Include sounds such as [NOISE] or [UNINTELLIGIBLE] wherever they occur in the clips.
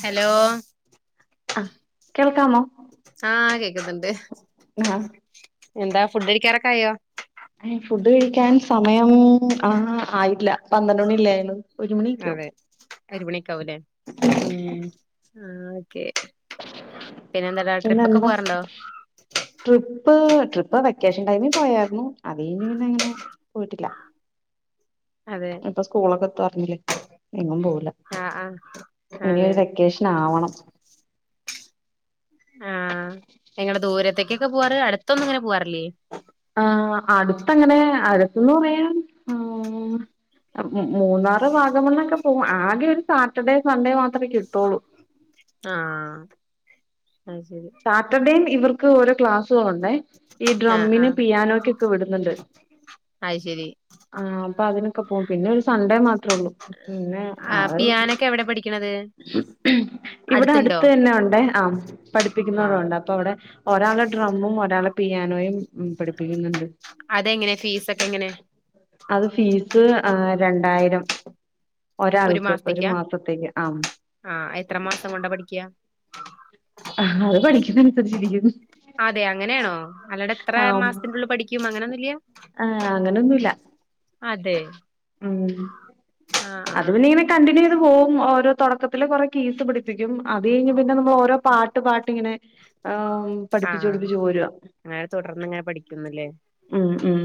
Hello അ കേൾക്കാമോ ആ കേക്കുന്നുണ്ട് [UNINTELLIGIBLE] എന്താ ഫുഡ്കഴിക്കാറൊക്കെ ആയോ ആ ഫുഡ് കഴിക്കാൻ സമയം ആ ആയില്ല പത്രണ്ട് മണിയല്ലേ ആയോള്ളൂ ഒരുമണി ഒക്കേ ആവും ഒരുമണി ഒക്കെ ആവുല്ലേ ആ ക്കേ പിന്നെന്തെടാ ട്രിപ്പൊക്കെ പിന്നെന്താ പോവാറുണ്ടോ ട്രിപ്പ് ട്രിപ്പ് വെക്കേഷൻ ടൈംമിൽ പോയായിരുന്നു അത് കഴിഞ്ഞ് പിന്നെ അങ്ങനെ പോയിട്ടില്ല അതെ ഇപ്പോ സ്കൂളൊക്കെ തെറന്നില്ലേ എങ്ങും പോവില്ല ആഹ് ആഹ് അതെ ഇനിയൊരു വെക്കേഷൻ ആവണം ആ ഇങ്ങള് ദൂരത്ത്ക്കൊക്കെ പോകാറ് അടുത്തൊന്നും പോകാറില്ലേ ആ അടുത്തങ്ങനെ ആര് എന്തുപറയാന് മൂന്നാർ, വാഗമൺയെക്കെ പോ ആകെ ഒരു സാറ്റർഡേ സൺഡേ മാത്രം കിട്ടുള്ളു. ആ സാറ്റർഡേം ഇവർ ക്ക് ഓരോ ക്ലാസുകള് ഒണ്ടേ ഈ ആഹ് ഡ്രമ്മിനും ആഹ് പിയാനക്കൊക്കെ വിടുന്നുണ്ട് അത് ശരി ആ അപ്പം അതിനൊക്കെ പോകും പിന്നെ ഒരു സൺഡേ മാത്രം ഉള്ളൂ പിന്നെ ആഹ് പിയാനൊക്കെ എവിടെ പഠിക്കണത് ഇവിടെ അടുത്തുണ്ടോ അടുത്ത് തന്നെ ഒണ്ടേ ആ പഠിപ്പിക്കുന്നയിടം ആഹ് ഒണ്ട് അപ്പം അവിടെ ഒരാള് ഡ്രമ്മും ഒരാള് പിയാനോയും പഠിപ്പിക്കുന്നുണ്ട് അതെങ്ങനെ ഫീസൊക്കെ എങ്ങനെ അത് ഫീസ് രണ്ടായിരം ഒരാൾക്ക് ഒരു മാസത്തേക്ക് ആ ആഹ് എത്ര മാസം കൊണ്ടാ പഠിക്കുക അത് പഠിക്കുന്ന അനുസരിച്ചിരിക്കും അതെ അങ്ങനെയാണോ അല്ലാതെ എത്ര മാസത്തിനുള്ളിൽ പഠിക്കും അങ്ങനെയൊന്നുംഇല്ല്യാ അങ്ങനൊന്നുമില്ല അതെ ആ അത് പിന്നെ കണ്ടിന്യു ചെയ്തു പോകും ഓരോ തെടക്കത്തില് കെറെ കീസ് പിടിപ്പിക്കും അത്കഴിഞ്ഞ് പി ഓരോ പാട്ട് പാട്ട് ഇങ്ങനെ പഠിപ്പിച്ചു ആഹ് പഠിപ്പിച്ചു പോരുവാ അങ്ങനെ തുടർന്ന് ഇങ്ങനെ പഠിക്കുന്നില്ലേ ഉം ഉം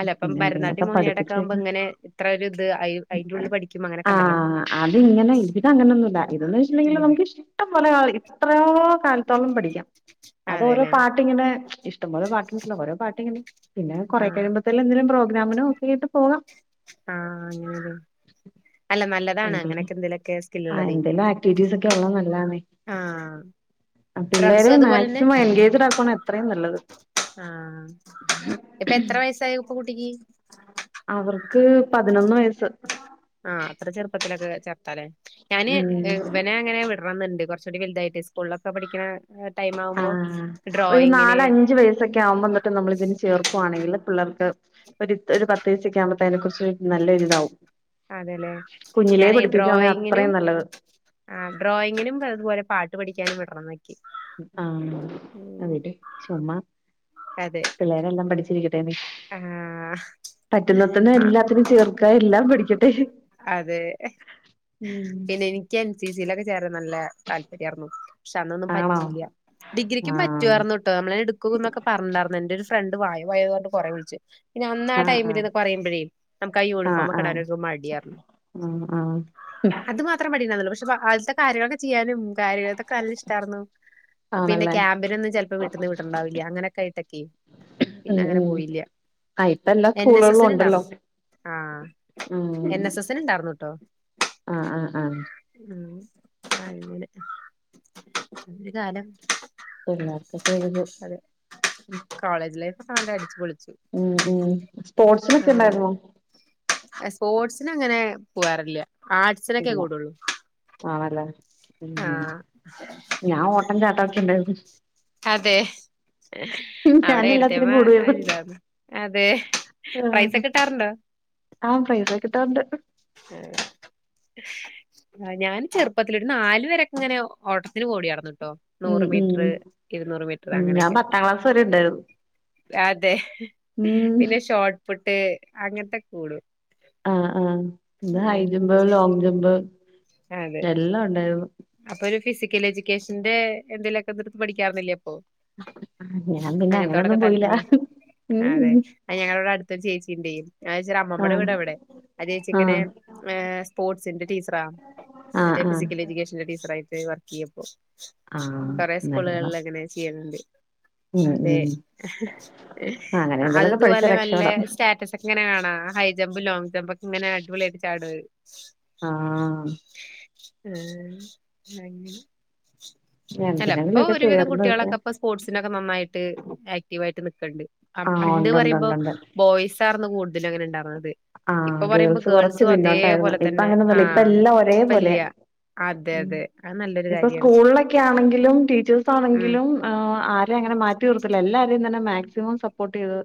അലപ്പം പിന്നെ എന്തെങ്കിലൊക്കെ ഭരതനാട്യം, മോഹിനിയാട്ടൊക്കെ ആവുമ്പോ പഠിപ്പിച്ചേക്കാം എങ്ങനെ എത്ര ഒരു ഇത് അയിന്റുള്ളിൽ പഠിക്കുമ്പോ അങ്ങനെയൊക്കെ ഒണ്ടല്ലോ ഇതൊന്ന് വെച്ചിട്ടണ്ടെങ്കിൽ നമ്മക്ക് ഇഷ്ടം പോ ലയാളി ഇത്രയോ ഓ കാലത്തോളം പഠിക്കാം അത് ഓരോ അതെല്ലേ പാട്ടിങ്ങനെ ഇഷ്ടം പോലെ പാട്ട് ട്ട്ല ഓരോ പാട്ടിങ്ങനെ പിന്നെ കൊറേ ആഹ് കഴിയുമ്പോ പ്രോഗ്രാമിന് ഓക്കെയായിട്ട് പോകാം ആഹ് അങ്ങനെല്ലേ അല്ല നല്ലതാണ് എന്തെങ്കിലും അങ്ങനെയൊക്കെ എന്തേലൊക്കെ സ്കില് ആ ഉള്ളതേ എന്തെല്ലാം ആക്ടിവിറ്റീസ്ക്ക് ഒള്ളത് നല്ലാതാണേ ആഹ് പിള്ളേര് ഡ്രംസും മാക്സിമം എൻകേജ്ടാകോണാ എത്രം നല്ലത് ആ ഇപ്പത്ര വയസ്സായി ഉ പു കുട്ടിക്ക് അവർക്ക് പതിനൊന്ന് വയസ്സ് ആ അത്ര ചെർപ്പത്തിലൊക്കെ തലെ ഞാനി ഉം ബനങ്ങനെ വിടണംന്ന്ണ്ട് കൊർ ക്കൂടി വൽതായിട്ട് സ്കൂളിലൊക്കെ പഠിക്ക്ണെ ആ ഒരു നാലഞ്ച് വയസ്സൊക്കെ ആവുമ്പൊ ന്നട്ട് നമ്മള്തിന് ചേർക്കുവാണെങ്കില് പിള്ളേർ ട്ട് ഒരിത് ഒരി പത്തീസൊക്കെ ആവുമ്പത്തേനെ കുറിച്ച് നല്ലൊരു ഇതാവും അതെലേ ഞാനയ് ട്രോയിങ്ങിനും അത്രയും നല്ലത് ആ ട്രോയിങ്ങിനും അത് പോലെ പാട്ട് പഠിക്കാനും വിട് [UNINTELLIGIBLE] ആ ങ്ങട്ട് ചുമ്മ അതെ പിള്ളേരല്ലാം പഠി ചിരിക്കും ആഹ് പറ്റുന്നത്തെന്നെ ആ എല്ലാത്തിലും ചേർക്കാ എല്ലാം പഠിക്കട്ടെ അതെ ഉം ചീസിലൊക്കെ ചേർ ത്‌നല്ല താൽപര്യാർന്നു പക്ഷെന്നന്നും ആണോ പറ്റീല്ല ഡിഗ്രിക്കും ആഹ് പറ്റ്വാർന്ന്ട്ടോ നമ്മള് എടുക്കുനൊക്കെ പരനാർന്നു പണ്ട് വായി വായുർനു കൊറേ വുൾച്ച് പിന്നെ അന്നാ ആഹ് ടൈമില് ന്നൊക്കെ ആഹ് പറിമ്പഴേ നമക്കാ ആഹ് ആഹ് യൂണിഫോമക്കടാനൊരു മടിയാര്ന്ന് ആഹ് ആഹ് അത് മാത്രം മടിന്നല്ല പക്ഷെ ആൾതെ കരോകെ ചെയ്യാനും കാരിയാത്തൊക്കെ നല്ലിഷ്ടാറ്ന്നു പിന്നെ ആണല്ലേ ക്യാമ്പിനൊന്നും ചെൽപ്പം വീട്ടിന്ന് വിടിണ്ടാവില്ല അങ്ങനൊക്കായിട്ടാക്കയ് ഉം പിന്നെങ്ങനെ ഉം പോയില്ല ആഹ് ഇപ്പ എല്ലാ എൻ എസ് എൻ സ്കൂളുകളിലും എസിന് ഉണ്ടല്ലോ ണ്ടാർന്നു ആ ഉം എൻ എസ് എസിന് ണ്ടാർന്നുട്ടോ ആഹ് ആഹ് ആഹ് ഉം അങ്ങനെ ഇതാരാ ഉം [UNINTELLIGIBLE] നല്ലാര്യം പൊളി ഉം ഉം സ്പോർട്സിനെക്കെ ഇണ്ടായിരുന്നോ ഏഹ് കൂടാറില്ല ആർട്സിനോക്കെ കൂടൊള്ളൂ ആണല്ലേ ആ ഉം ഞാൻ ഓട്ടം ചാട്ടമൊക്കെ ഉണ്ടായിരുന്നു അതെ ഞാൻ അവിടെ എല്ലാത്തിനും ഇരിത്ത്യേപ്പോൾ കൂടുവായിരുന്നു എന്താ അതെ പ്രൈസ് ആഹ് ഒക്കെ കിട്ടാറുണ്ടോ ആ പ്രൈസൊക്കെ കിട്ടാറുണ്ട് ആ ഞാൻ ചെറുപ്പത്തില് നാലുവരെയൊക്കെങ്ങനെ ഓട്ടത്തിന് കൂടിയാരുന്നു ണ്ടോ ഉം നൂറ് ഉം മീറ്ററ് ഇരുന്നൂറ് മീറ്ററ് ഉം ഞാൻ അങ്ങനെക്കെ പത്താം ക്ലാസ് വരെ ഉണ്ടായിരുന്നു അതെ ഉം പിന്നെ ഷോട്ട് പുട്ട് അങ്ങനത്തെ കൂടും ആ ഉം ഉം ഹൈജമ്പ് ലോങ്ങ് ജമ്പ് അതെ എല്ലാം ഉണ്ടായിരുന്നു അപ്പോ ഒരു ഫിസിക്കല് എജുക് ക്കേഷന്റെ എന്തെലൊക്കെ എടുത്ത് പഠിക്കാമായിരുന്നില്ല അപ്പോ ഞാൻ പിന്നെ അങ്ങനെന്നും പോയില്ല താല്പര്യം ഉം ഉം ഇണ്ടേ ആ ചേച്ചിടെ അമ്മമ്മയുടെ ആഹ് വീട് അവടെ ആ ചേച്ചിങ്ങനെ ആഹ് ഏ സ്പോർട്സിന്റെ ടീച്ചറാ ആഹ് ആഹ് ഫിസിക്കൽ എജുക്കേഷന്റെ ടീച്ച [UNINTELLIGIBLE] വർക്കയ്യപ്പോ ആഹ് കൊറേ നല്ലതാ സ്കൂളുകളിലെങ്ങനെ ചെയ്യല്ണ്ട് ഉം അതെ ഉം അങ്ങനെ അതു എന്തെലൊക്കെ പഠിച്ചാ ഇതുപോലെ നല്ല രക്ഷപ്പെടാം സ്റ്റാറ്റസോക്കെ കാണാം ഹൈ ഹൈജമ്പ് ലോങ്ങ് ജമ്പൊക്കെങ്ങനെ അടിപൊളിയായിട്ട് ചാടൊയ് ആ ആ ആ കഴിഞ്ഞു അല്ല ഇപ്പ എന്തിനെങ്കിലുമൊക്കെ ഒരുവിധം ചേർന്ന് നിക്കാൻ കുട്ട്യേളെക്കെ സ്പോർട്സിനൊക്കെ നന്നായി ട്ട് ആക്ടീവായിട്ട് നിക്കണ്ട് അ ആഹ് പണ്ട് ഉണ്ട് ഉണ്ട് പറയുമ്പോ ഉണ്ട് ബോയ്സായിർന്നു കൂടുതൽ ഇതിലെങ്ങനെ ഇണ്ടാവ്ണ് ആ ഗേൾസ് കൊറച്ച് പിന്നോട്ടായിരുന്നു അതേപോലെ ഇപ്പ തന്നെ അങ്ങനെന്നുല്ല ഇപ്പ ആഹ് എല്ലം ഒരേ തേപോലെയാ ഇപ്പല്ല്യ. അതെ ഉം അതെ അത് നല്ലൊരു ഇപ്പം കാര്യാണ് സ്കൂളിലൊക്കെയാണെങ്കിലും ഉം ടീച്ചേഴ്സാണെങ്കിലും ആ ഇല്ല്യങ്ങനെ മാറ്റിനിർത്തല്ല എല്ലാരി തന്നെ മാക്സിമം സപ്പോർട്ട് ചെയ്തത്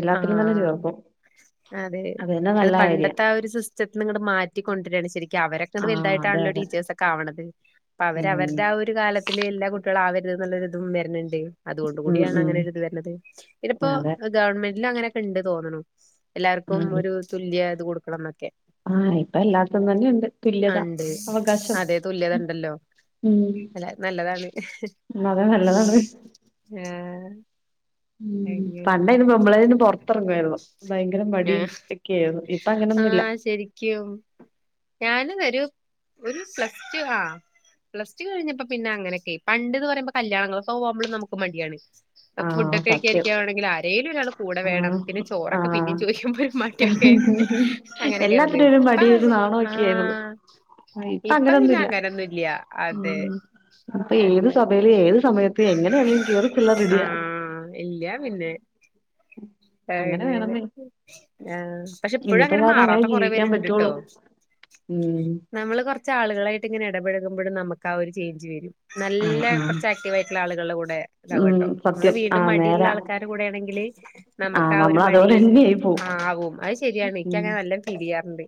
എല്ലാത്തിലുംതന്നെ ചേർക്കും അത് തന്നെ അത്‌ നല്ല കാര്യാ പണ്ടത്തെ ആ ഒരു സിസ്റ്റത്തിന്ന്ങ്ങണ്ട് മാറ്റിക്കൊണ്ടരാണ് ശരിക്ക് അവരൊക്കെങ്ങണ്ട് ആഹ് അതെ വൽതായിട്ടാണല്ലോ അതെ ടീച്ചേഴ്‌സൊക്കെ ആവ്ണത് അവര് ഉം അവര്ടേ ആ ഒരു കാലത്തിലിള്ള കുട്ടി ട്ട്യാള് ആവര്ത് ന്ന്ള്ളൊര്തും വെര്ന്ണ്ട് അത് കൊണ്ട് ഉം കൂടിയാണ് ഉം അങ്ങനെ ഒരിത് വെര്ണത് പിന്നെ ഇപ്പൊ അതെ ഗവണ്മെ ഇപ്പൊങ്ങനെക്കെണ്ട് തോ ആ എല്ലാർക്കും ഒരു തുല്യ ഇത് കൊട് [UNINTELLIGIBLE] ആ ഇപ്പൊ എല്ലായിടത്തും തന്നെയുണ്ട് ആ തുല്യത, ഉണ്ട് അവകാശം അതെ തുല്യത ഉണ്ടല്ലോ ഉം അല്ല നല്ലതാണ്. അതെ നല്ലതാണ്. ആഹ് ഉം അങ്ങനെ പണ്ടായിനെ നമ്മളെ പുറത്തിരിങ്ങയിരുന്നോ ഭയകര മടി ഒക്കെയിരിന്നു ഇപ്പൊ അങ്ങനെ ഒന്നുല്ല. ആഹ് റ്റു ഒരു പ്ലസ് റ്റു ആ പ്ലസ് റ്റു കഴിഞ്ഞപ്പോൾ പിന്നെ അങ്ങനെകാന്ന് പണ്ടെന്നേ പറയുമ്പോ കല്യാണങ്ങളെക്കെ പോവുമ്പോൾ നമ്മുക്ക് മടിയാണ് പ്പോ ഫുഡോ ആഹ് സത്യം ക്കാണെങ്കില് ആരേ ഒരാള് കൂടെ വേണം ആഹ് പിന്നെ ചോറൊക്കെ പിന്നെ ആഹ് ചോയ്ക്കുമ്പം ഒരു മടിയൊക്കെ അങ്ങനെക്കെയായിരുന്നേ എല്ലാത്തിനും ഒരു ഇപ്പൊ മടി ഒരു നാണൊക്കെ ആയിരുന്നു ആ ആഹ് ഇപ്പ ഇപ്പൊ പിന്നെ അങ്ങനൊന്നുല്ല അങ്ങനൊന്നൂല്ല്യ അതെ ഉം ഇപ്പൊ ഏത് സഭയില് ഏത് സമയത്ത് എങ്ങനെ വേണേലും കേറി [INAUDIBLE] ഇല്ലപിന്നെ അങ്ങനെ ആ പക്ഷെ ഇപ്പോഴും ഇന്നത്തെ അങ്ങനെ കാലത്ത് മാറാത്ത കുറെപേരെ ജീവിക്കാൻ ഇണ്ട്ട്ടോ. പറ്റുള്ളൂ ഉം നമ്മളെ കുറച്ചേ ആളുകളെക്കായിട്ട് ഇങ്ങനെ ഇടപഴുകുമ്പോൾ നമ്മ ക്ക ഒരു ചേച്ചി വെരും ആഹ് നല്ല ആഹ് [UNINTELLIGIBLE] ആളുകളുടെകുടെ ഉം ഇതേവട്ടോ മ്മളെ സത്യം വീണ്ടും ആഹ് മടിയുള്ള നേരാ ആളുകരെകൂടെ ആണെകില്ലേ ആഹ് നമ്മകാ ഒരു മടി നമ്മളതുപോലെ തന്നെ ആയി പോവും ആവും. അയ്‌ ശരിയാണ ഉം ഇക്കങ്ങനെ നല്ലണം ഫീലീയ്യാറ്ണ്ട്.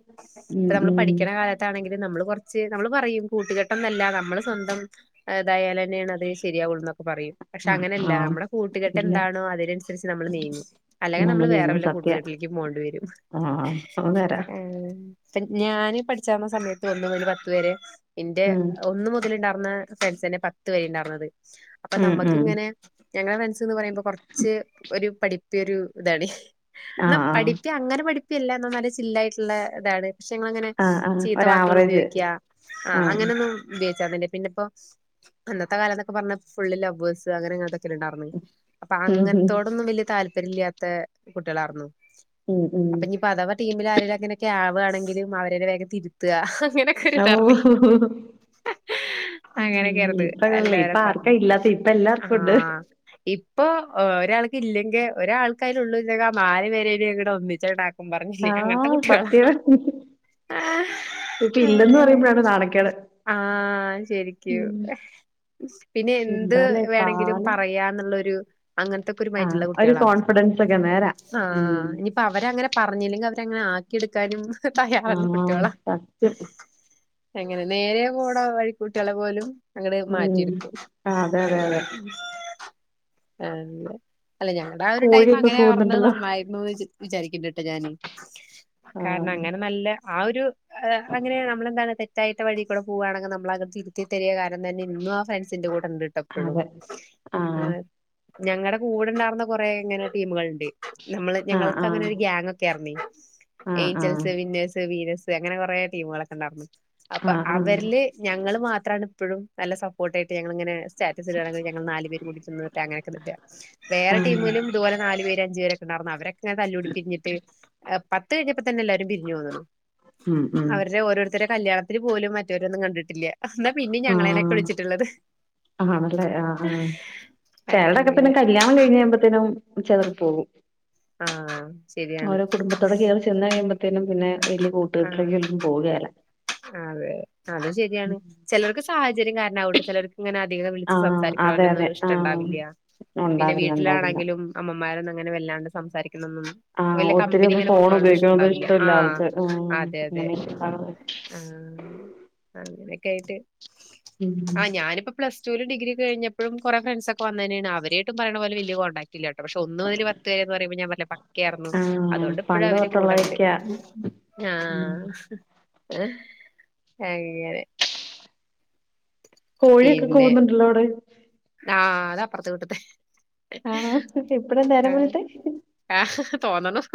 ഉം പ്പ നമ്മൾ ഉം പഠിക്ക്ണ കാലത്താണെങ്കിലും നമ്മൾ കൊ കൊർച് നമ്മൾ പറയും കൂട്ട്കെട്ടൊന്നല്ല നമ്മൾ സ്വന്തം ഏ തായാലെന്നെണത് ശെരിയാവൊള്ളുനൊ പറയും. പക്ഷെ ആഹ് അങ്ങനെല്ല ആഹ് നമ്മടെ ഇല്ല കൂട്ടുകെട്ടെന്താണോ അതിനനുസരിച്ചേ നമ്മൾ നീങ്ങു അല്ലെങ്കെ നമ്മള് വേറെ നമ്മളെയൊന്നും വല്ല സത്യ കൂട്ടുകെട്ടിൽക്കും പോണ്ടി വെരും ആഹ് തോന്നേരാ ആ പ്പ ഞാന് പഠിചേർന്ന സമയത്ത് ഒന്നു മുതല് പത്ത് വരെ ന്റെ ഉം ഒന്ന് മുതല്ണ്ടാ ന്ന് ഫ്രണ്ട്സന്നെ പത്ത് വെരീം ഇണ്ടാർന്നത് അപ്പൊ ഉം ഉം നമുക്ക്ങ്ങനെ ഞങ്ങളെ ഫ്രണ്ട്സ്ന്ന് പറയുമ്പൊ കൊർച്ച് ഒരു പഠി തിഒരു താണെ ന്ന ആഹ് പഠിപ്പി അങ്ങനെ പഠി ഇതെല്ലാം നല്ല ചില്ല് ആയിട്ടുള്ള ഇതാണ്. ക്ഷെ ഞങ്ങളെ അങ്ങനെ ആഹ് ആഹ് ആഹ് ചീത്ത വാക്കുകൾ ഒരാവറേജ് ഉപയോഗിക്ക, ആ ആഹ് അങ്ങനെയൊന്നും ഉപയോച്ചിരുന്നില്ല. പിന്നെപ്പോ അന്നത്തെ കാലം ന്നക്ക പറഞ്ഞ ഫുൾ ലവേഴ്സ് അങ്ങനെയൊക്കെ അത ണ്ടാർന്ന. ഉം ഉം അങ്ങൻതോട്. ഒന്നും. വലിയ. താല്പര്യം ല്യാത്ത കുട്ടികളാർന്നു ഉം ഉം അപ്പോ ഇനി അഥവാ ടീമിലെ ആരെങ്കിലും ആവാ എങ്കിലും അവരെ വേഗം തിരുത്ത ഓഹ് [UNINTELLIGIBLE] ഉം അങ്ങനെയൊക്കെയായിരുന്നു ഇപ്പഴല്ലേ ഇപ്പ ആർക്കാ [UNINTELLIGIBLE] ഇല്ലാത്ത ഇപ്പ ആ എല്ലാർക്കും ഉണ്ട് ഇപ് ഇപ്പോ. ഒരാൾക്ക്. ഇല്ലെങ്കിൽ ഒരാൾക്ക് അതിലെ ഉള്ളൂ എങ്കിൽ മാറിമാറി ഒന്നിച്ചങ്ങട് ആകും ഞാൻ പറഞ്ഞില്ലേ അങ്ങനത്തെ ആഹ് കുട്ടികളാ സത്യം ഇപ്പ ഇല്ലെന്ന് അങ്ങനെ പറയുമ്പോഴാണ് നാണക്കേട് ആ ശരിക്കും ഉം പിന്നെ എന്ത്‌ എന്താലേ വേണമെങ്കിലും കാലം പറയാന്ന് ള്ളെരു അങ്ങനത്തെ ഒരു മൈൻഡ് ആഹ് ഉള്ള കു ഒരു കോൺഫിഡൻസ് ഒക്കെ നേരാ ഉം ഇതിലേക്ക് അങ്ങനെ ആക്കി എടു ക്കാനും തയ്യാറുള്ള ആഹ് കുട്ടികളാ സത്യം അങ്ങനെ നേരെ പോണവഴി കുട്ടികളെ പോലും ഉം അങ്ങോട്മാറ്റിയെടുക്കും ആഹ് അതെ അതെ അതെ ആണല്ലേ അല്ല ഞങ്ങളുടെ ആ ഒരു കോഴിയൊക്കെ ടൈംഅങ്ങനെ ആർന്നു കൂവുന്നുണ്ടല്ലോ നന്നായെന്ന് വച്ചു വിചാരിക്കണ്ട് ട്ട് ഞാൻ കാരണം ആഹ് അങ്ങനെ നല്ല ആ ഒരു അങ്ങനെ നമ്മൾ എന്താണ് തെറ്റായിട്ടുള്ള വഴിക്കൂടെ പോവുകയാണെങ്കിൽ നമ്മളെ തിരിത്തിരി കാരണം എങ്കിതദ്ധരിക കാരണങ്കി ഇന്ന് ആഫ്രണ്ട്സിന്റ കൂട തരുകയാണെങ്കിൽ ഴീക്കോട് പോവാണെങ്കിൽ ഉണ്ടട്ടപ്പഴും അതെ ആഹ് ഞങ്ങടെ കൂടെണ്ടാർന്ന ന്ന കുറേ ഇങ്ങനെ ടീമുകൾ ഉണ്ട് ണ്ട് നമ്മൾ ആഹ് ഞങ്ങൾക്ക് ആഹ് ഒരു ഗ്യാങ്ങ്ക്കാർന്നേ [INAUDIBLE] ആഹ് ആഹ് അങ്ങനെ കുറെ ടീമുകൾ ഒക്കെ ഉണ്ടായിരുന്നു അപ്പ ആഹ് ആഹ് അവരിലെ ഞങ്ങൾ മാത്രമാണ് ഇപ്പോഴും നല്ല സപ്പോർട്ട് ആയിട്ട് ഞങ്ങൾ ഇങ്ങനെ സ്റ്റാറ്റസ് ഇടാണെങ്കിൽ ഞങ്ങൾ നാലുപേരും കൂടെ ചെന്ന് അങ്ങനെ നിൽക്കാം ഒരു ആഹ് ടീമിലും ഇതുപോലെനാലുപേര് അഞ്ചു പേര് രും ഉണ്ടായിരുന്നു അവരൊക്കെ ഇങ്ങനെ തല്ലൂടി പിരിഞ്ഞിട്ട് പത്ത് കഴിഞ്ഞപ്പോ തന്നെ എല്ലാരും പിരിഞ്ഞു തോന്നുണു ഉം ഉം അവരുടെ ഓരോരുത്തരെ കല്യാണത്തിന് പോലും മറ്റേ രന്നും കണ്ടിട്ടില്ല എന്നാ പിന്നിം ഞങ്ങളേനെക്കെ ആഹ് വിളിച്ചിട്ടുള്ളത് ആണല്ലേ ആ് ആ ചേടക്കെ പിന്നെ അങ്ങനെ കരി കല്യാണം കഴിഞ് കഴുമ്പത്തേും ചെതർ പോകവും ആഹ ശരിയാണ് കേറി ചെന്ന് കഴിയുമ്പത്തേനും പിന്നെ വലിയ ആ കൂട്ടുകെട്ടിലേക്കൊന്നും പോവുകേല അതെ അതും ശരിയാണ് ചിലർക്ക് സാഹചര്യം കാരണം ട്ട് ചിലർക്ക് ഇങ്ങനെ അധികം വിളു പിന്നെ അവിടെ ചിലർക്കു ആഹ് സംസാരിക്കണ അതെ അവരൊന്ന അതെ ഇഷ്ട ആഹ് ഉണ്ടാവില്ല പിന്നെ ഉണ്ടാവില്ല ഉണ്ടാവില്ല വീട്ടിലാണെങ്കിലും അമ്മ മരും അങ്ങന വല്ലാണ്ട് സംസാരിക്കും വ ആഹ് ല്ല ഒത്തിരി കമ്പനി ഒന്നും ഇങ്ങനെ ഫോൺ കൊടുക്കണും ഉപയോഗിക്കണൊന്നും ഇഷ്ടണ്ടാവില്ല ആ ഇഷ്ടമില്ല ആൾക്ക് ഉം അതെ അതെ അങ്ങനെയൊക്കെ കാണും. കേട്ട് ഉം ആ ഞാനിപ്പോ പ്ലസ് ഒരു ഡിഗ്രി കഴിഞ്ഞപ്പോഴും കുറെ ഫ്രണ്ട്സ് ഒക്കെ വന്നെയനെയാണ് അവര് ട്ടും പറയുന്ന പോല വല കോണ്‌ ടാക് ഇല്ല കേട്പക്ഷേ ഒന്ന് മുതൽ പത്ത് വരെ പറയുമ്പോ ഞാൻ പറഞ്ഞില്ലേ പക്ക ആർന്നു ആഹ് അതുകൊണ്ട് ഇപ്പഴും പണ്ട് അവര് കൂടണ്ട് തൊട്ടുള്ളതൊക്കെയാ ആ ഉം ആ അങ്ങനെ. കോഴിയൊക്കെ പിന്നെ കുവുന്നുണ്ടല്ലോ അവിടെ? ആഹ് അതാ അപ്പർത്തെ വീട്ട്ത്തെ ആണോ എപ്പഴാ ആ നേരം വെളുത്തെ ആഹ് തോന്നണം.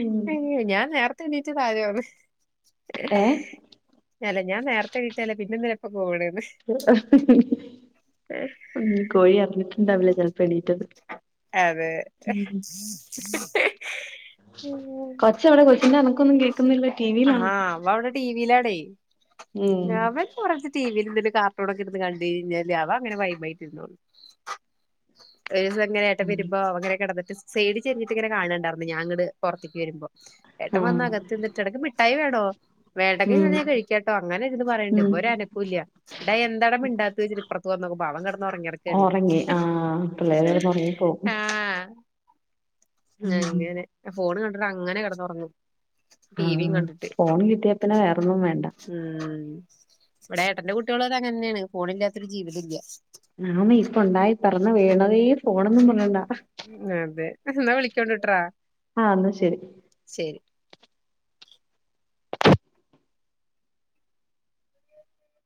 ഉം അങ്ങനെ ഞാൻ നേർ ത്തെ നീച്ച കാര്യമാണ്. ഏ അല്ല ഞാൻ നേരത്തെ എണീറ്റല്ലേ പിന്നെന്തിനാപ്പോ പോണെ ഉം കോഴി അറിഞ്ഞിട്ടുണ്ടാവില്ല ചെലപ്പോ എണീറ്റത് അതെ കൊച്ചെവിടെ? കൊച്ചിന്റെ അനക്കൊന്നും കേക്കുന്നില്ല ടിവിയിലാണോ? ഉം ഞാ വ [UNINTELLIGIBLE] ടിവിയിലും തിലും കാർട്ടൂണൊക്കെ ഇര്ന്ന് കൺ ണ്ടീഞ്ഞാല് അവ അങ്ങനെ വൈബായ്ട്ടിരിന്നോള്ളു. ഒരീസം ഇങ്ങനെ എട്ടൻ വരുമ്പോ അവൻങ്ങനെ കിടന്നിട്ട് സൈഡ് ചെരിഞ്ഞിട്ടിങ്ങനെ കാണുന്നുണ്ടായിരുന്നു ഞാങ്ങട് പുറത്തേക്ക് വരുമ്പോ ഏട്ടൻ വന്ന് ആഹ് അകത്ത് നിന്ന്ട്ട് അനക്ക് മിഠായി വേ ണോ? വേണ്ടെങ്കി ഉം ഞാനേ കയിക്കാട്ടോ. അങ്ങനെ ഇരുന്ന് പറയ്ണ്ട്. ഉം ഇവരൊനക്കൂല്ല. ടാ എന്താടാ മിണ്ടാ ടുത്തുവച്ച് ഇപ്പറത്തു വന്നു നോക്കുമ്പോ അവൻ കിടന്ന് ഉറങ്ങി കിടക്കാണി ഒറങ്ങി ആഹ് പിള്ളേര് കെടന്ന് ഒറങ്ങിപ്പോവും ആ.. ഉം അങ്ങനെ ഫോണ് ക അങ്ങനെ കിടന്നുറങ്ങും. ആ ടിവിയും കണ്ടിട്ട് ഫോൺ കിട്ടിയാ പിന്നെ വേറൊന്നും വേണ്ട. ഉം ഇവിടെ ഏട്ടൻ്റെ കുട്ടിയോളൊക്കെ അങ്ങനെ തന്നെയാണ്. ഫോണിലാത്തൊരു ജീവിതം ഇല്ല. അന്നേ ഇപ്പുണ്ടായി പെറന്നു വീഴണതെ ഫോണ് എന്നും പറഞ്ഞു കൊണ്ടാ ക്ക് ഉണ്ടൂട്ര [UNINTELLIGIBLE] ആ എന്ന ശരി